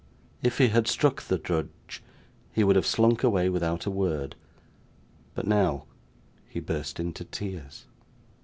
If he had struck the drudge, he would have slunk away without a word. But, now, he burst into tears.